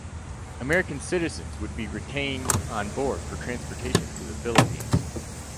American citizens would be retained on board for transportation to the Philippines.